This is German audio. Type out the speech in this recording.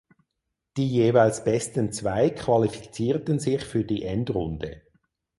Die jeweils besten zwei qualifizierten sich für die Endrunde.